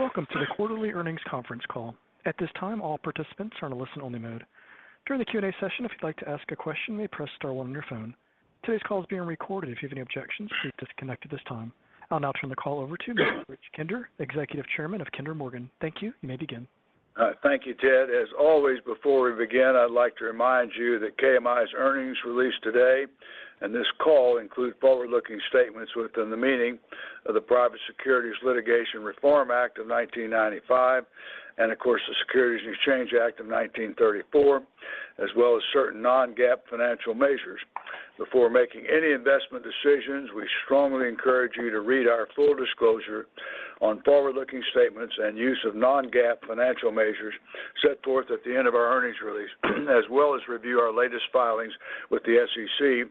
Welcome to the quarterly earnings conference call. At this time, all participants are in a listen-only mode. During the Q&A session, if you'd like to ask a question, you may press star one on your phone. Today's call is being recorded. If you have any objections, please disconnect at this time. I'll now turn the call over to Mr. Rich Kinder, Executive Chairman of Kinder Morgan. Thank you. You may begin. All right. Thank you, Ted. As always, before we begin, I'd like to remind you that KMI's earnings released today, and this call includes forward-looking statements within the meaning of the Private Securities Litigation Reform Act of 1995 and, of course, the Securities and Exchange Act of 1934, as well as certain non-GAAP financial measures. Before making any investment decisions, we strongly encourage you to read our full disclosure on forward-looking statements and use of non-GAAP financial measures set forth at the end of our earnings release, as well as review our latest filings with the SEC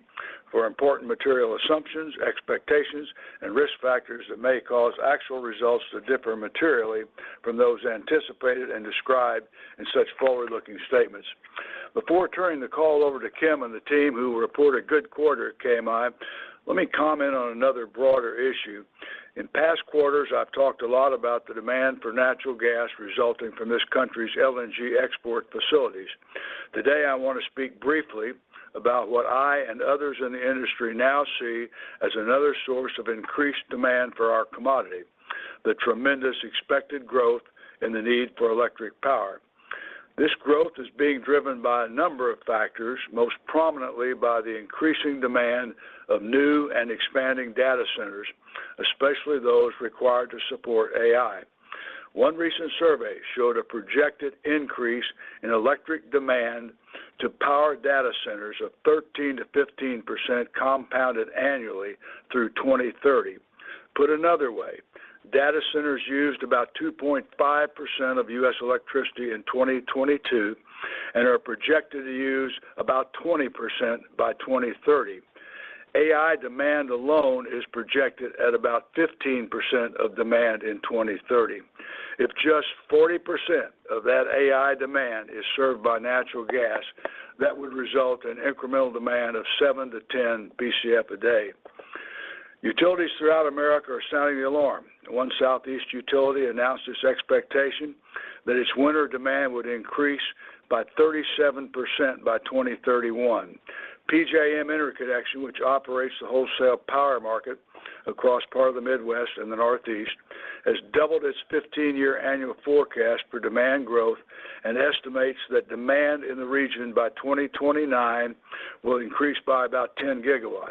for important material assumptions, expectations, and risk factors that may cause actual results to differ materially from those anticipated and described in such forward-looking statements. Before turning the call over to Kim and the team, who report a good quarter at KMI, let me comment on another broader issue. In past quarters, I've talked a lot about the demand for natural gas resulting from this country's LNG export facilities. Today, I want to speak briefly about what I and others in the industry now see as another source of increased demand for our commodity: the tremendous expected growth in the need for electric power. This growth is being driven by a number of factors, most prominently by the increasing demand of new and expanding data centers, especially those required to support AI. One recent survey showed a projected increase in electric demand to power data centers of 13%-15% compounded annually through 2030. Put another way, data centers used about 2.5% of U.S. electricity in 2022 and are projected to use about 20% by 2030. AI demand alone is projected at about 15% of demand in 2030. If just 40% of that AI demand is served by natural gas, that would result in incremental demand of 7-10 BCF a day. Utilities throughout America are sounding the alarm. One Southeast utility announced its expectation that its winter demand would increase by 37% by 2031. PJM Interconnection, which operates the wholesale power market across part of the Midwest and the Northeast, has doubled its 15-year annual forecast for demand growth and estimates that demand in the region by 2029 will increase by about 10 GW.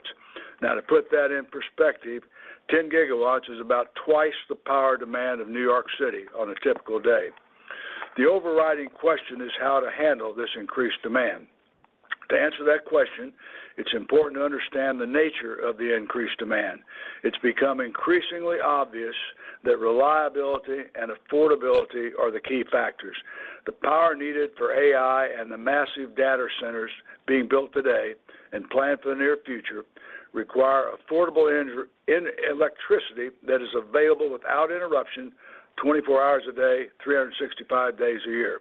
Now, to put that in perspective, 10 GW is about twice the power demand of New York City on a typical day. The overriding question is how to handle this increased demand. To answer that question, it's important to understand the nature of the increased demand. It's become increasingly obvious that reliability and affordability are the key factors. The power needed for AI and the massive data centers being built today and planned for the near future require affordable electricity that is available without interruption, 24 hours a day, 365 days a year.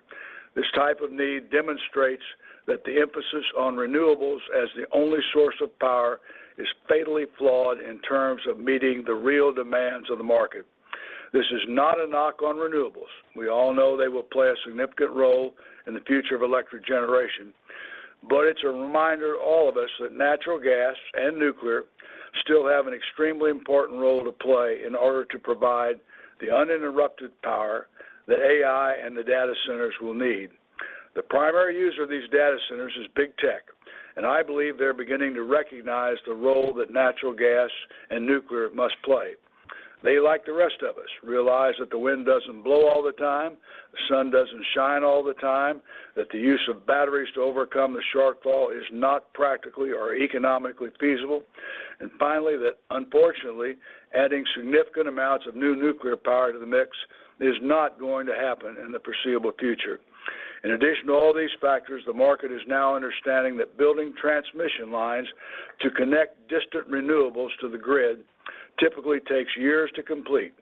This type of need demonstrates that the emphasis on renewables as the only source of power is fatally flawed in terms of meeting the real demands of the market. This is not a knock on renewables. We all know they will play a significant role in the future of electric generation, but it's a reminder to all of us that natural gas and nuclear still have an extremely important role to play in order to provide the uninterrupted power that AI and the data centers will need. The primary use of these data centers is big tech, and I believe they're beginning to recognize the role that natural gas and nuclear must play. They, like the rest of us, realize that the wind doesn't blow all the time, the sun doesn't shine all the time, that the use of batteries to overcome the shortfall is not practically or economically feasible, and finally, that, unfortunately, adding significant amounts of new nuclear power to the mix is not going to happen in the foreseeable future. In addition to all these factors, the market is now understanding that building transmission lines to connect distant renewables to the grid typically takes years to complete,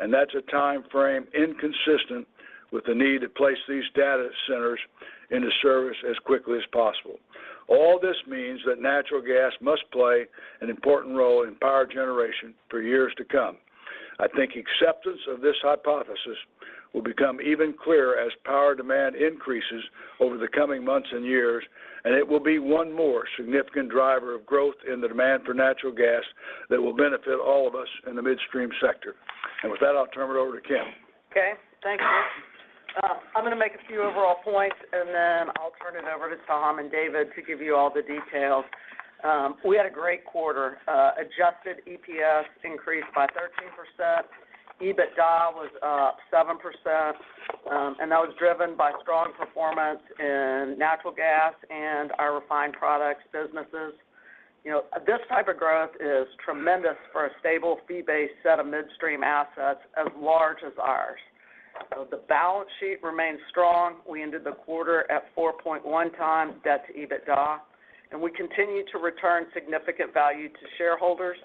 and that's a time frame inconsistent with the need to place these data centers into service as quickly as possible. All this means that natural gas must play an important role in power generation for years to come. I think acceptance of this hypothesis will become even clearer as power demand increases over the coming months and years, and it will be one more significant driver of growth in the demand for natural gas that will benefit all of us in the midstream sector. With that, I'll turn it over to Kim. Okay. Thank you. I'm going to make a few overall points, and then I'll turn it over to Tom and David to give you all the details. We had a great quarter. Adjusted EPS increased by 13%. EBITDA was up 7%, and that was driven by strong performance in natural gas and our refined products businesses. This type of growth is tremendous for a stable, fee-based set of midstream assets as large as ours. The balance sheet remains strong. We ended the quarter at 4.1x debt to EBITDA, and we continue to return significant value to shareholders.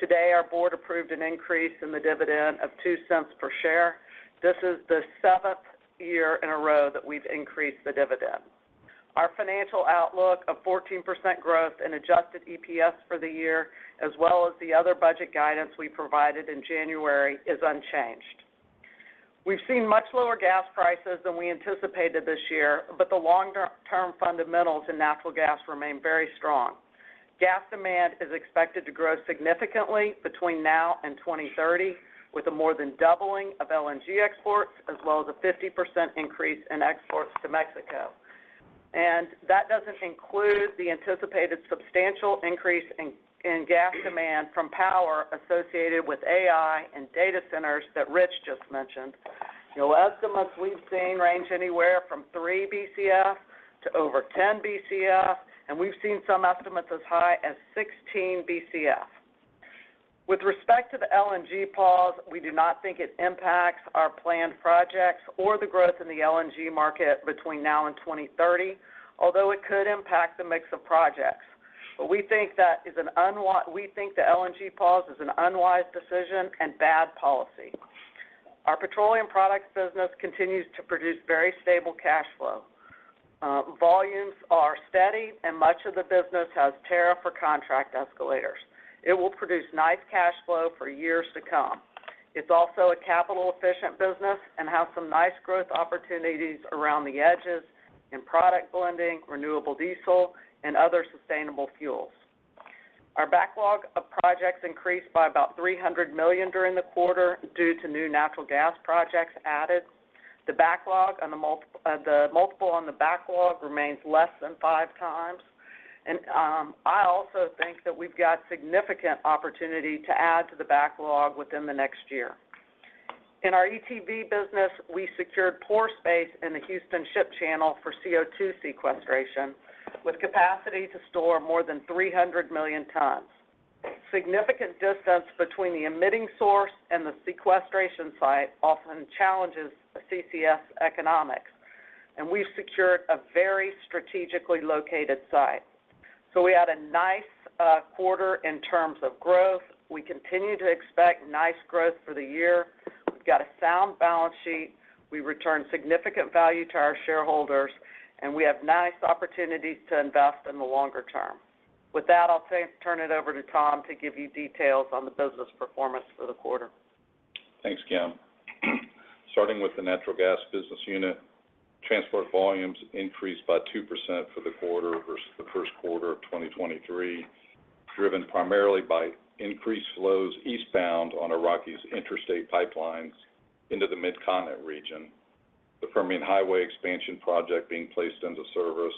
Today, our board approved an increase in the dividend of $0.02 per share. This is the seventh year in a row that we've increased the dividend. Our financial outlook of 14% growth in Adjusted EPS for the year, as well as the other budget guidance we provided in January, is unchanged. We've seen much lower gas prices than we anticipated this year, but the long-term fundamentals in natural gas remain very strong. Gas demand is expected to grow significantly between now and 2030, with a more than doubling of LNG exports as well as a 50% increase in exports to Mexico. And that doesn't include the anticipated substantial increase in gas demand from power associated with AI and data centers that Rich just mentioned. Estimates we've seen range anywhere from 3 BCF to over 10 BCF, and we've seen some estimates as high as 16 BCF. With respect to the LNG pause, we do not think it impacts our planned projects or the growth in the LNG market between now and 2030, although it could impact the mix of projects. But we think the LNG pause is an unwise decision and bad policy. Our petroleum products business continues to produce very stable cash flow. Volumes are steady, and much of the business has tariff or contract escalators. It will produce nice cash flow for years to come. It's also a capital-efficient business and has some nice growth opportunities around the edges in product blending, renewable diesel, and other sustainable fuels. Our backlog of projects increased by about $300 million during the quarter due to new natural gas projects added. The multiple on the backlog remains less than 5x. I also think that we've got significant opportunity to add to the backlog within the next year. In our ETV business, we secured pore space in the Houston Ship Channel for CO2 sequestration with capacity to store more than 300 million tons. Significant distance between the emitting source and the sequestration site often challenges CCS economics, and we've secured a very strategically located site. So we had a nice quarter in terms of growth. We continue to expect nice growth for the year. We've got a sound balance sheet. We return significant value to our shareholders, and we have nice opportunities to invest in the longer term. With that, I'll turn it over to Tom to give you details on the business performance for the quarter. Thanks, Kim. Starting with the natural gas business unit, transport volumes increased by 2% for the quarter versus the first quarter of 2023, driven primarily by increased flows eastbound on our key interstate pipelines into the Mid-Continent region, the Permian Highway expansion project being placed into service,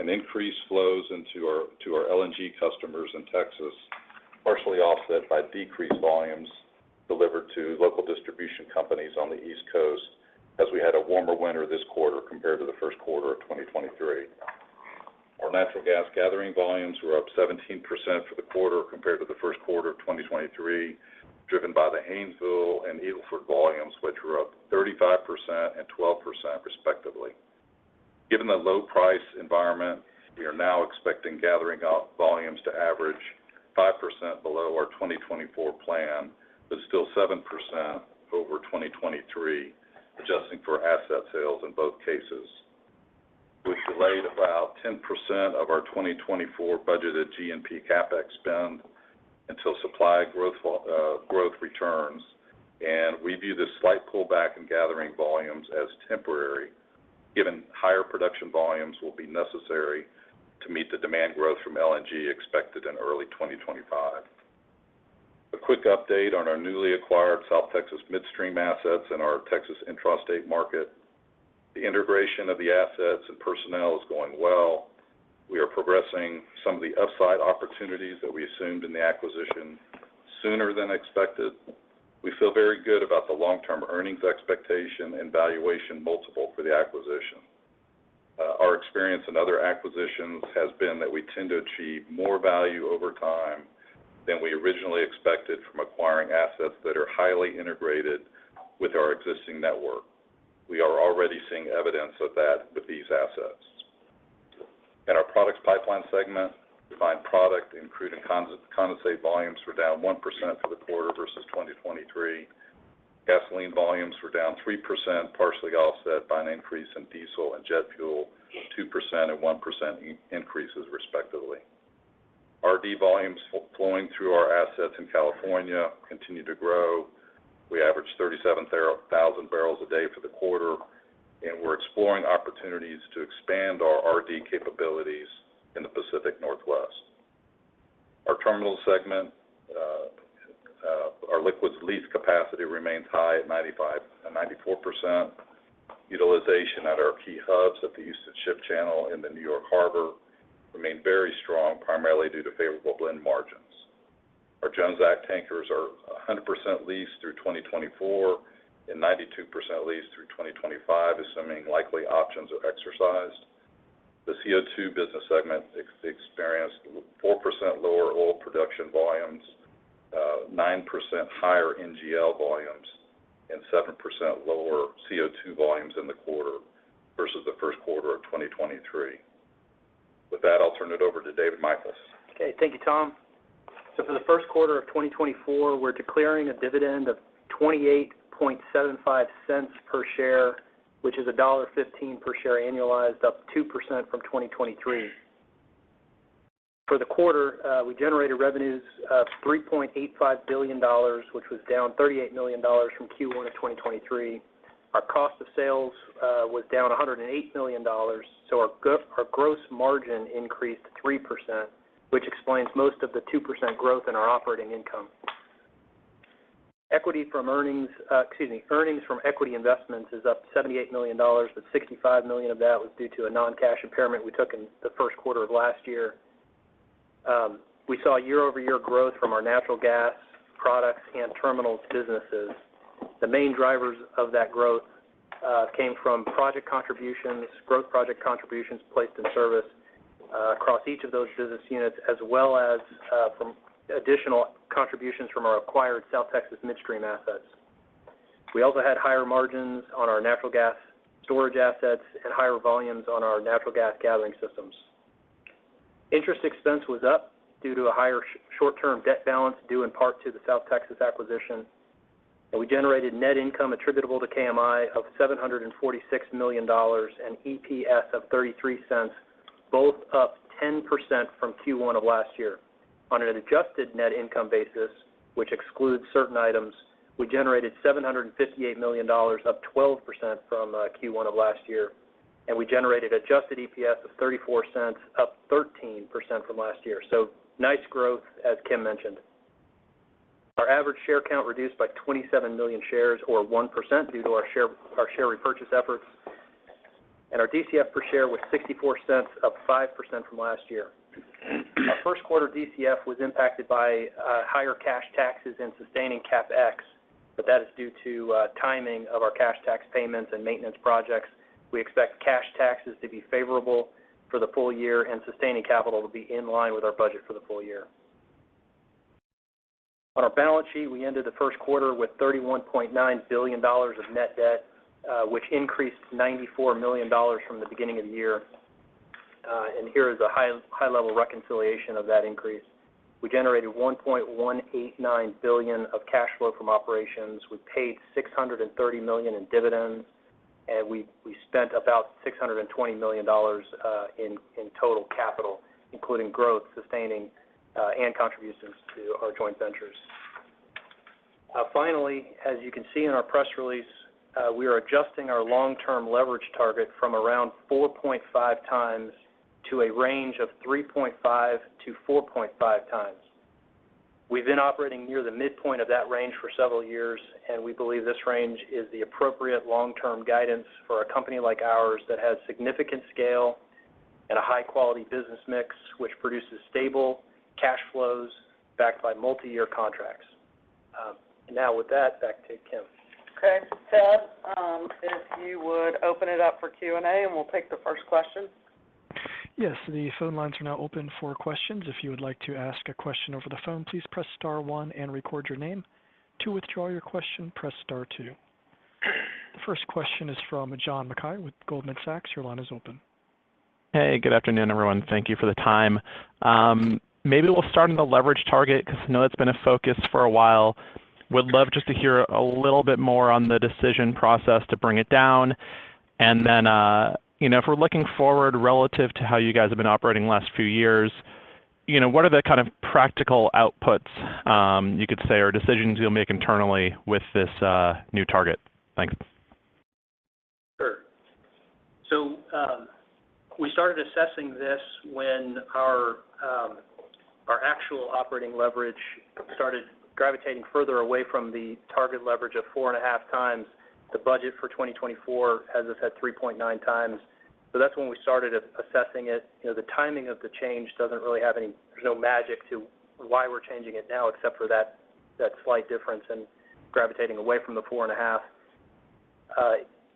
and increased flows into our LNG customers in Texas, partially offset by decreased volumes delivered to local distribution companies on the East Coast as we had a warmer winter this quarter compared to the first quarter of 2023. Our natural gas gathering volumes were up 17% for the quarter compared to the first quarter of 2023, driven by the Haynesville and Eagle Ford volumes, which were up 35% and 12%, respectively. Given the low-price environment, we are now expecting gathering volumes to average 5% below our 2024 plan, but still 7% over 2023, adjusting for asset sales in both cases. We've delayed about 10% of our 2024 budgeted G&P CapEx spend until supply growth returns, and we view this slight pullback in gathering volumes as temporary, given higher production volumes will be necessary to meet the demand growth from LNG expected in early 2025. A quick update on our newly acquired South Texas midstream assets and our Texas intrastate market. The integration of the assets and personnel is going well. We are progressing some of the upside opportunities that we assumed in the acquisition sooner than expected. We feel very good about the long-term earnings expectation and valuation multiple for the acquisition. Our experience in other acquisitions has been that we tend to achieve more value over time than we originally expected from acquiring assets that are highly integrated with our existing network. We are already seeing evidence of that with these assets. In our products pipeline segment, refined product and crude and condensate volumes were down 1% for the quarter versus 2023. Gasoline volumes were down 3%, partially offset by an increase in diesel and jet fuel, 2% and 1% increases, respectively. RD volumes flowing through our assets in California continue to grow. We average 37,000 barrels a day for the quarter, and we're exploring opportunities to expand our RD capabilities in the Pacific Northwest. Our terminal segment, our liquids lease capacity remains high at 94%. Utilization at our key hubs at the Houston Ship Channel in the New York Harbor remains very strong, primarily due to favorable blend margins. Our Jones Act tankers are 100% leased through 2024 and 92% leased through 2025, assuming likely options are exercised. The CO2 business segment experienced 4% lower oil production volumes, 9% higher NGL volumes, and 7% lower CO2 volumes in the quarter versus the first quarter of 2023. With that, I'll turn it over to David Michels. Okay. Thank you, Tom. So for the first quarter of 2024, we're declaring a dividend of $0.2875 per share, which is $1.15 per share annualized, up 2% from 2023. For the quarter, we generated revenues of $3.85 billion, which was down $38 million from Q1 of 2023. Our cost of sales was down $108 million, so our gross margin increased 3%, which explains most of the 2% growth in our operating income. Equity from earnings excuse me, earnings from equity investments is up $78 million, but $65 million of that was due to a non-cash impairment we took in the first quarter of last year. We saw year-over-year growth from our natural gas products and terminals businesses. The main drivers of that growth came from project contributions, growth project contributions placed in service across each of those business units, as well as from additional contributions from our acquired South Texas midstream assets. We also had higher margins on our natural gas storage assets and higher volumes on our natural gas gathering systems. Interest expense was up due to a higher short-term debt balance due in part to the South Texas acquisition, and we generated net income attributable to KMI of $746 million and EPS of $0.33, both up 10% from Q1 of last year. On an adjusted net income basis, which excludes certain items, we generated $758 million, up 12% from Q1 of last year, and we generated adjusted EPS of $0.34, up 13% from last year. Nice growth, as Kim mentioned. Our average share count reduced by 27 million shares, or 1%, due to our share repurchase efforts, and our DCF per share was $0.64, up 5% from last year. Our first quarter DCF was impacted by higher cash taxes and sustaining CapEx, but that is due to timing of our cash tax payments and maintenance projects. We expect cash taxes to be favorable for the full year and sustaining capital to be in line with our budget for the full year. On our balance sheet, we ended the first quarter with $31.9 billion of net debt, which increased $94 million from the beginning of the year. Here is a high-level reconciliation of that increase. We generated $1.189 billion of cash flow from operations. We paid $630 million in dividends, and we spent about $620 million in total capital, including growth, sustaining, and contributions to our joint ventures. Finally, as you can see in our press release, we are adjusting our long-term leverage target from around 4.5x to a range of 3.5x-4.5x. We've been operating near the midpoint of that range for several years, and we believe this range is the appropriate long-term guidance for a company like ours that has significant scale and a high-quality business mix, which produces stable cash flows backed by multi-year contracts. Now with that, back to Kim. Okay. Ted, if you would open it up for Q&A, and we'll take the first question. Yes. The phone lines are now open for questions. If you would like to ask a question over the phone, please press star one and record your name. To withdraw your question, press star two. The first question is from John Mackay with Goldman Sachs. Your line is open. Hey. Good afternoon, everyone. Thank you for the time. Maybe we'll start in the leverage target because I know that's been a focus for a while. Would love just to hear a little bit more on the decision process to bring it down. And then if we're looking forward relative to how you guys have been operating the last few years, what are the kind of practical outputs, you could say, or decisions you'll make internally with this new target? Thanks. Sure. So we started assessing this when our actual operating leverage started gravitating further away from the target leverage of 4.5x. The budget for 2024 has us at 3.9x. So that's when we started assessing it. The timing of the change doesn't really have any. There's no magic to why we're changing it now except for that slight difference in gravitating away from the 4.5.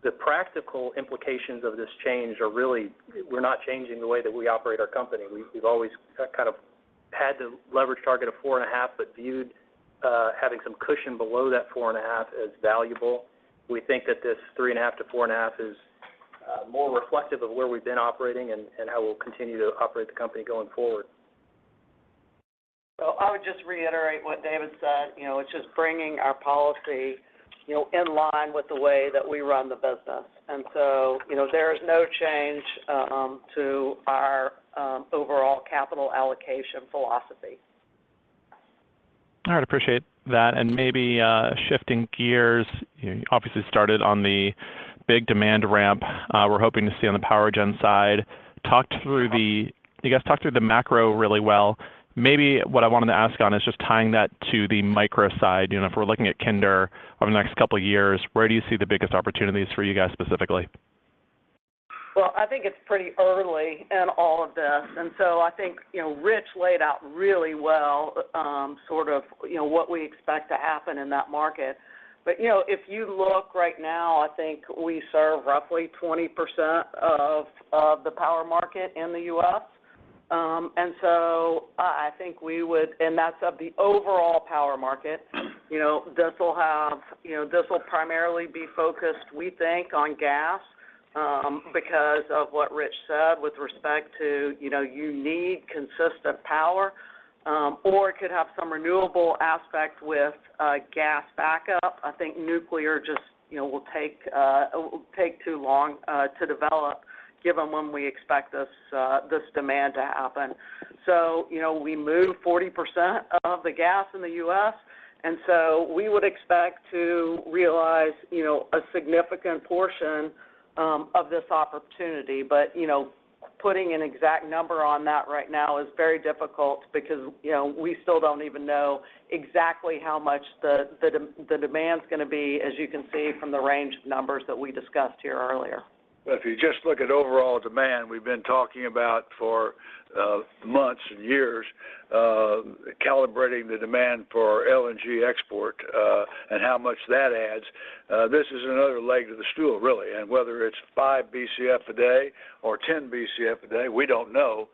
The practical implications of this change are really we're not changing the way that we operate our company. We've always kind of had the leverage target of 4.5 but viewed having some cushion below that 4.5 as valuable. We think that this 3.5-4.5 is more reflective of where we've been operating and how we'll continue to operate the company going forward. So I would just reiterate what David said. It's just bringing our policy in line with the way that we run the business. And so there is no change to our overall capital allocation philosophy. All right. Appreciate that. Maybe shifting gears. You obviously started on the big demand ramp. We're hoping to see on the PowerGen side. You guys talked through the macro really well. Maybe what I wanted to ask on is just tying that to the micro side. If we're looking at Kinder over the next couple of years, where do you see the biggest opportunities for you guys specifically? Well, I think it's pretty early in all of this. So I think Rich laid out really well sort of what we expect to happen in that market. But if you look right now, I think we serve roughly 20% of the power market in the U.S. So I think we would and that's of the overall power market. This will primarily be focused, we think, on gas because of what Rich said with respect to you need consistent power. Or it could have some renewable aspect with gas backup. I think nuclear just will take too long to develop, given when we expect this demand to happen. We move 40% of the gas in the U.S. So we would expect to realize a significant portion of this opportunity. Putting an exact number on that right now is very difficult because we still don't even know exactly how much the demand's going to be, as you can see from the range of numbers that we discussed here earlier. Well, if you just look at overall demand we've been talking about for months and years, calibrating the demand for LNG export and how much that adds, this is another leg to the stool, really. Whether it's 5 BCF a day or 10 BCF a day, we don't know.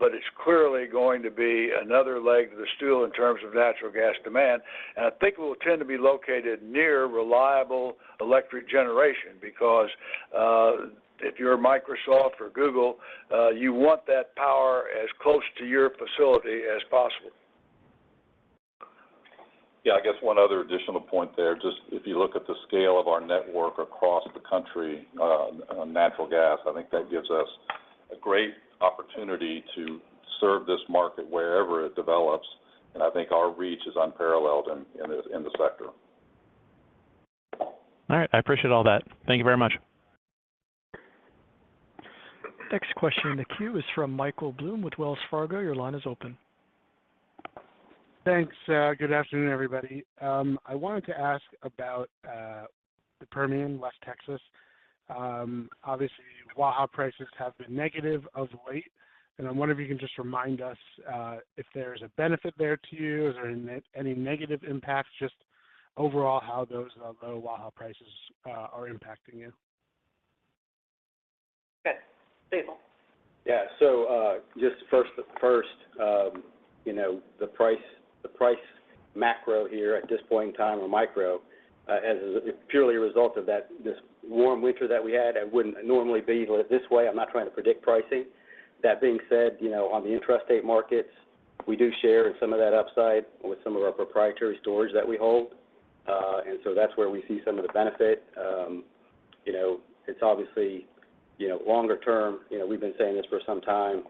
It's clearly going to be another leg to the stool in terms of natural gas demand. I think it will tend to be located near reliable electric generation because if you're Microsoft or Google, you want that power as close to your facility as possible. Yeah. I guess one other additional point there. Just if you look at the scale of our network across the country on natural gas, I think that gives us a great opportunity to serve this market wherever it develops. I think our reach is unparalleled in the sector. All right. I appreciate all that. Thank you very much. Next question in the queue is from Michael Blum with Wells Fargo. Your line is open. Thanks. Good afternoon, everybody. I wanted to ask about the Permian, West Texas. Obviously, Waha prices have been negative of late. And I wonder if you can just remind us if there's a benefit there to you. Is there any negative impacts? Just overall, how those low Waha prices are impacting you? Good. Sital. Yeah. So just first, the price macro here at this point in time or micro, as a pure result of this warm winter that we had, it wouldn't normally be this way. I'm not trying to predict pricing. That being said, on the intrastate markets, we do share in some of that upside with some of our proprietary storage that we hold. And so that's where we see some of the benefit. It's obviously longer term. We've been saying this for some time.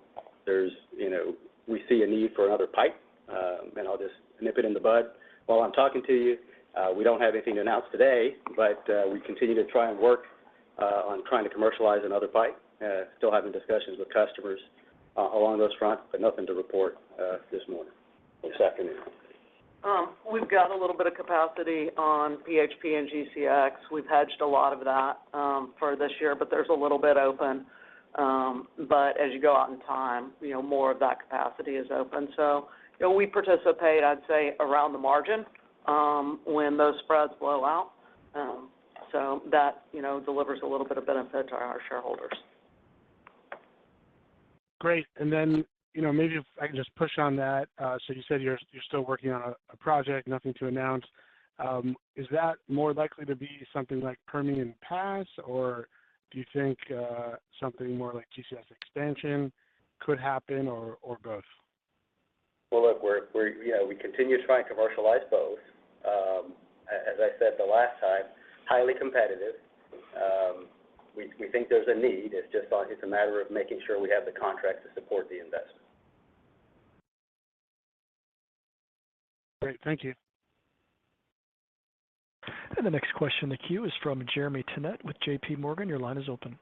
We see a need for another pipe. And I'll just nip it in the bud. While I'm talking to you, we don't have anything to announce today, but we continue to try and work on trying to commercialize another pipe. Still having discussions with customers along those fronts, but nothing to report this morning or this afternoon. We've got a little bit of capacity on PHP and GCX. We've hedged a lot of that for this year, but there's a little bit open. But as you go out in time, more of that capacity is open. So we participate, I'd say, around the margin when those spreads blow out. So that delivers a little bit of benefit to our shareholders. Great. And then maybe if I can just push on that. So you said you're still working on a project, nothing to announce. Is that more likely to be something like Permian Pass, or do you think something more like GCX Expansion could happen or both? Well, look, we continue to try and commercialize both. As I said the last time, highly competitive. We think there's a need. It's just a matter of making sure we have the contract to support the investment. Great. Thank you. And the next question in the queue is from Jeremy Tonet with J.P. Morgan. Your line is open.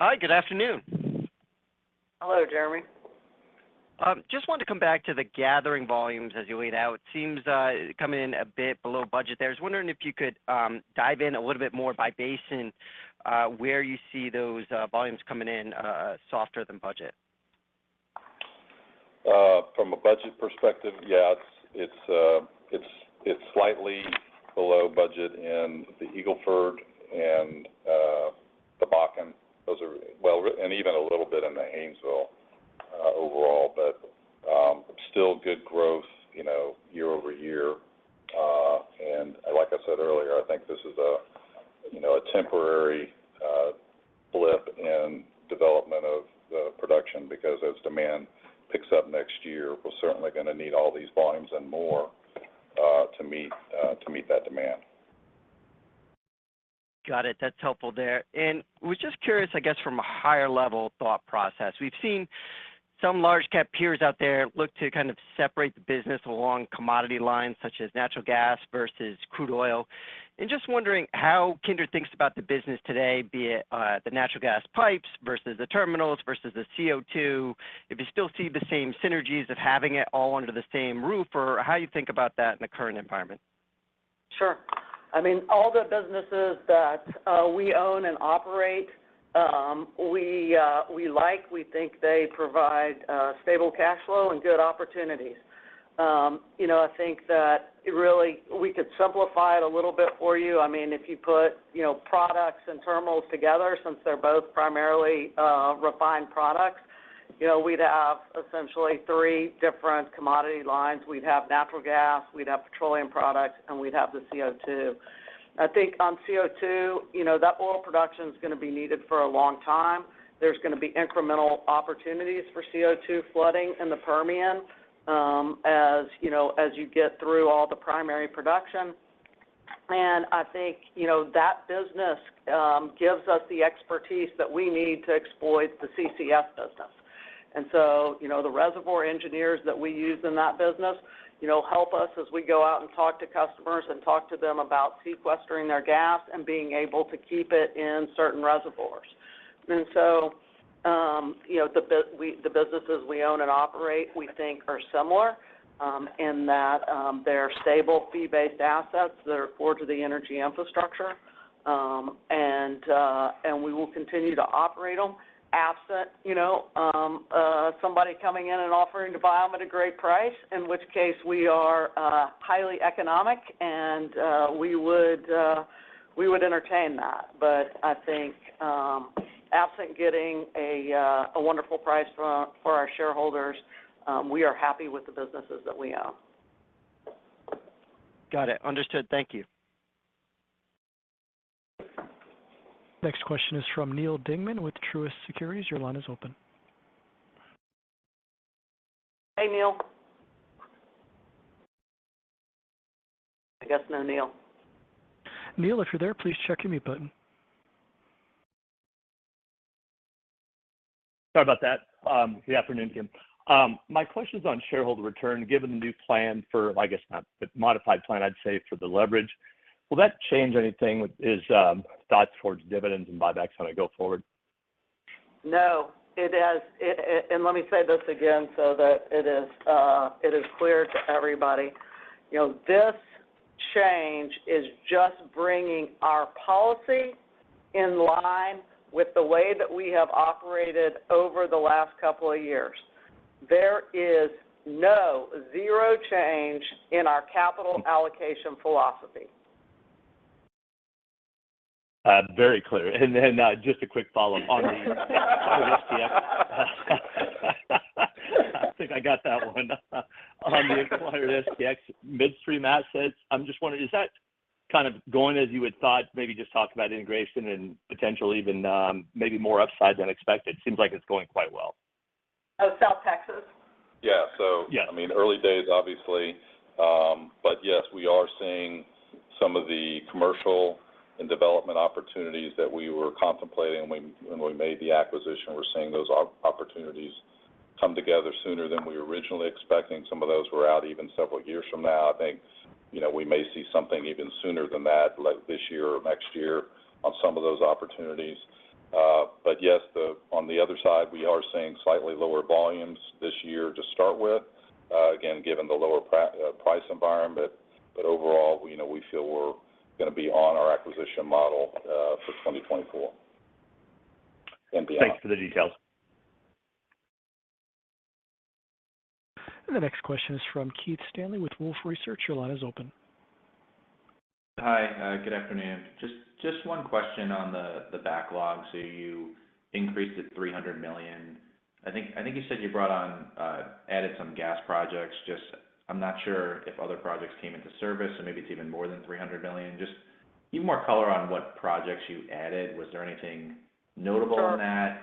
Hi. Good afternoon. Hello, Jeremy. Just wanted to come back to the gathering volumes as you laid out. It seems coming in a bit below budget there. I was wondering if you could dive in a little bit more by basin and where you see those volumes coming in softer than budget. From a budget perspective, yeah, it's slightly below budget in the Eagle Ford and the Bakken. Well, and even a little bit in the Haynesville overall, but still good growth year-over-year. And like I said earlier, I think this is a temporary blip in development of the production because as demand picks up next year, we're certainly going to need all these volumes and more to meet that demand. Got it. That's helpful there. And I was just curious, I guess, from a higher-level thought process. We've seen some large-cap peers out there look to kind of separate the business along commodity lines such as natural gas versus crude oil. And just wondering how Kinder thinks about the business today, be it the natural gas pipes versus the terminals versus the CO2, if you still see the same synergies of having it all under the same roof or how you think about that in the current environment? Sure. I mean, all the businesses that we own and operate, we like. We think they provide stable cash flow and good opportunities. I think that really, we could simplify it a little bit for you. I mean, if you put products and terminals together, since they're both primarily refined products, we'd have essentially three different commodity lines. We'd have natural gas. We'd have petroleum products. And we'd have the CO2. I think on CO2, that oil production's going to be needed for a long time. There's going to be incremental opportunities for CO2 flooding in the Permian as you get through all the primary production. And I think that business gives us the expertise that we need to exploit the CCS business. The reservoir engineers that we use in that business help us as we go out and talk to customers and talk to them about sequestering their gas and being able to keep it in certain reservoirs. The businesses we own and operate, we think, are similar in that they're stable fee-based assets that are tied to the energy infrastructure. We will continue to operate them absent somebody coming in and offering to buy them at a great price, in which case we are highly economic, and we would entertain that. But I think absent getting a wonderful price for our shareholders, we are happy with the businesses that we own. Got it. Understood. Thank you. Next question is from Neal Dingmann with Truist Securities. Your line is open. Hey, Neal. I guess no, Neal. Neal, if you're there, please check your mute button. Sorry about that. Good afternoon, Kim. My question's on shareholder return. Given the new plan for, I guess, not the modified plan, I'd say for the leverage, will that change anything with his thoughts towards dividends and buybacks as I go forward? No. It has. And let me say this again so that it is clear to everybody. This change is just bringing our policy in line with the way that we have operated over the last couple of years. There is no, zero change in our capital allocation philosophy. Very clear. And then just a quick follow-up on the STX. I think I got that one. On the acquired STX Midstream assets, I'm just wondering, is that kind of going as you had thought? Maybe just talk about integration and potentially even maybe more upside than expected. Seems like it's going quite well. Oh, South Texas? Yeah. So I mean, early days, obviously. But yes, we are seeing some of the commercial and development opportunities that we were contemplating when we made the acquisition. We're seeing those opportunities come together sooner than we originally expecting. Some of those were out even several years from now. I think we may see something even sooner than that, like this year or next year, on some of those opportunities. But yes, on the other side, we are seeing slightly lower volumes this year to start with, again, given the lower price environment. But overall, we feel we're going to be on our acquisition model for 2024 and beyond. Thanks for the details. The next question is from Keith Stanley with Wolfe Research. Your line is open. Hi. Good afternoon. Just one question on the backlog. So you increased it $300 million. I think you said you added some gas projects. I'm not sure if other projects came into service, so maybe it's even more than $300 million. Just give more color on what projects you added. Was there anything notable on that?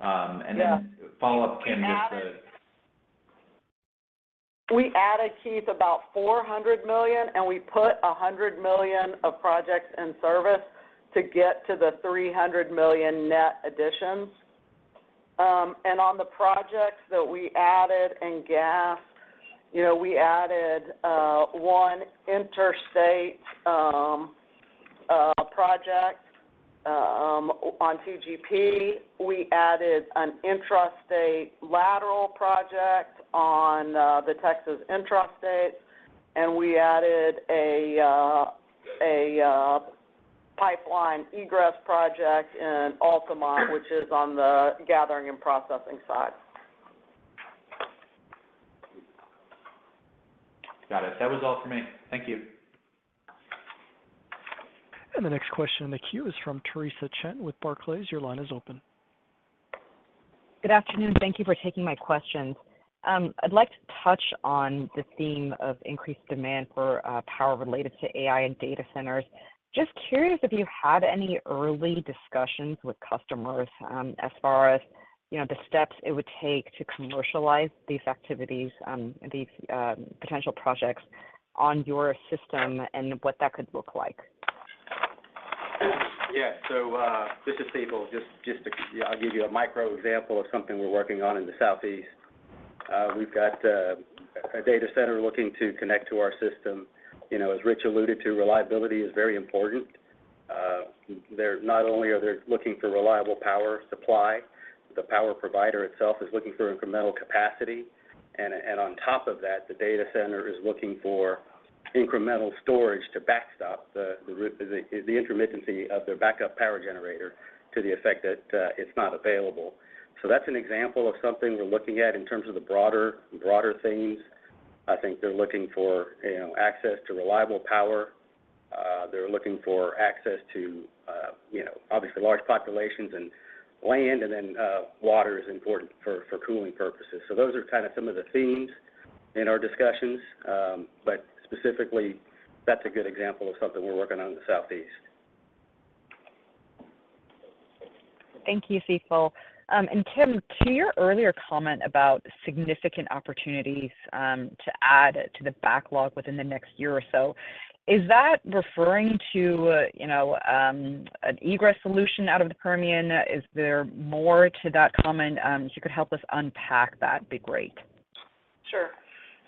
And then follow up, Kim, just the. We added, Keith, about $400 million, and we put $100 million of projects in service to get to the $300 million net additions. On the projects that we added in gas, we added one interstate project on TGP. We added an intrastate lateral project on the Texas intrastate. We added a pipeline egress project in Altamont, which is on the gathering and processing side. Got it. That was all for me. Thank you. The next question in the queue is from Theresa Chen with Barclays. Your line is open. Good afternoon. Thank you for taking my questions. I'd like to touch on the theme of increased demand for power related to AI and data centers. Just curious if you had any early discussions with customers as far as the steps it would take to commercialize these activities and these potential projects on your system and what that could look like? Yeah. So this is Sital. I'll give you a micro example of something we're working on in the Southeast. We've got a data center looking to connect to our system. As Rich alluded to, reliability is very important. Not only are they looking for reliable power supply, the power provider itself is looking for incremental capacity. And on top of that, the data center is looking for incremental storage to backstop the intermittency of their backup power generator to the effect that it's not available. So that's an example of something we're looking at in terms of the broader themes. I think they're looking for access to reliable power. They're looking for access to, obviously, large populations and land. And then water is important for cooling purposes. So those are kind of some of the themes in our discussions. But specifically, that's a good example of something we're working on in the Southeast. Thank you, Sital. Kim, to your earlier comment about significant opportunities to add to the backlog within the next year or so, is that referring to an egress solution out of the Permian? Is there more to that comment? If you could help us unpack that, it'd be great. Sure.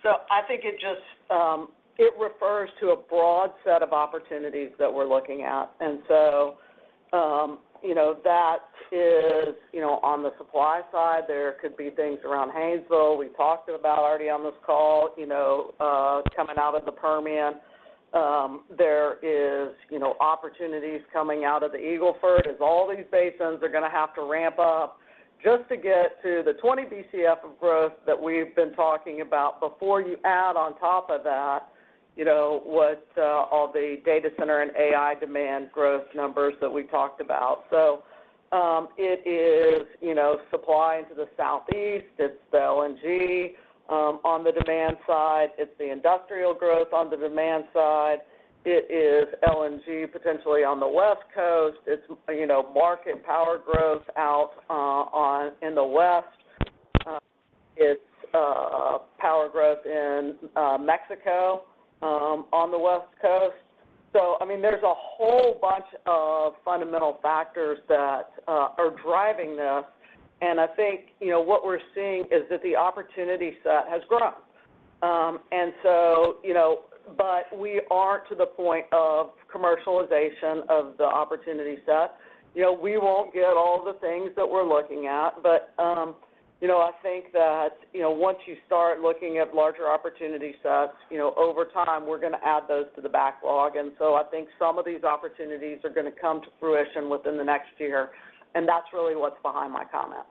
So I think it refers to a broad set of opportunities that we're looking at. And so that is on the supply side. There could be things around Haynesville we talked about already on this call coming out of the Permian. There are opportunities coming out of the Eagle Ford as all these basins are going to have to ramp up just to get to the 20 BCF of growth that we've been talking about before you add on top of that all the data center and AI demand growth numbers that we talked about. So it is supply into the Southeast. It's the LNG. On the demand side, it's the industrial growth on the demand side. It is LNG potentially on the West Coast. It's market power growth out in the West. It's power growth in Mexico on the West Coast. So I mean, there's a whole bunch of fundamental factors that are driving this. And I think what we're seeing is that the opportunity set has grown. And so but we aren't to the point of commercialization of the opportunity set. We won't get all the things that we're looking at. But I think that once you start looking at larger opportunity sets, over time, we're going to add those to the backlog. And so I think some of these opportunities are going to come to fruition within the next year. And that's really what's behind my comment.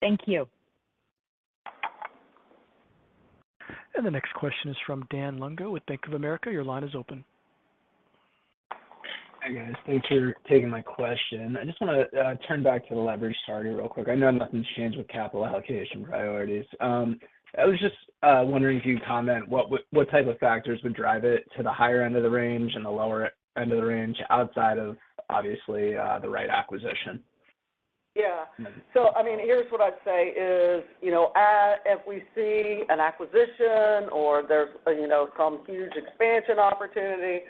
Thank you. The next question is from Daniel Lungo with Bank of America. Your line is open. Hey, guys. Thanks for taking my question. I just want to turn back to the leverage story real quick. I know nothing's changed with capital allocation priorities. I was just wondering if you could comment what type of factors would drive it to the higher end of the range and the lower end of the range outside of, obviously, the right acquisition. Yeah. So I mean, here's what I'd say is if we see an acquisition or there's some huge expansion opportunity,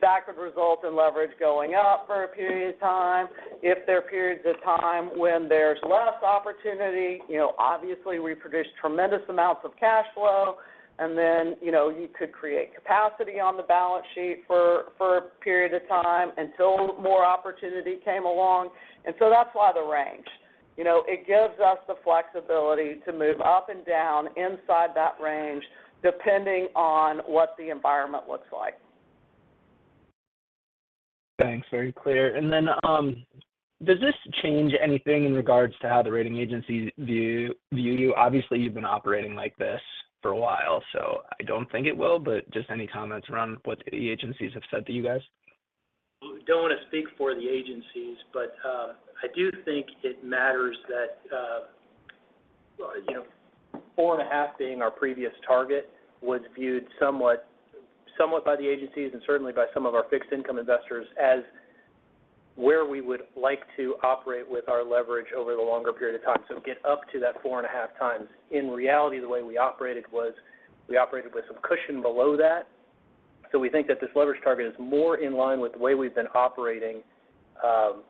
that could result in leverage going up for a period of time. If there are periods of time when there's less opportunity, obviously, we produce tremendous amounts of cash flow. And then you could create capacity on the balance sheet for a period of time until more opportunity came along. And so that's why the range. It gives us the flexibility to move up and down inside that range depending on what the environment looks like. Thanks. Very clear. And then does this change anything in regards to how the rating agencies view you? Obviously, you've been operating like this for a while. So I don't think it will. But just any comments around what the agencies have said to you guys? Don't want to speak for the agencies. But I do think it matters that 4.5 being our previous target was viewed somewhat by the agencies and certainly by some of our fixed-income investors as where we would like to operate with our leverage over the longer period of time. So get up to that 4.5x. In reality, the way we operated was we operated with some cushion below that. So we think that this leverage target is more in line with the way we've been operating,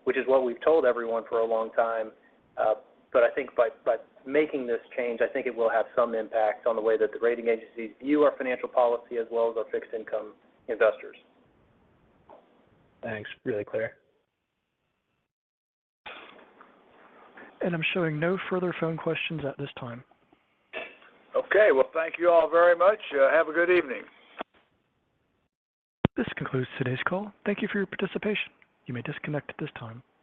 which is what we've told everyone for a long time. But I think by making this change, I think it will have some impact on the way that the rating agencies view our financial policy as well as our fixed-income investors. Thanks. Really clear. I'm showing no further phone questions at this time. Okay. Well, thank you all very much. Have a good evening. This concludes today's call. Thank you for your participation. You may disconnect at this time.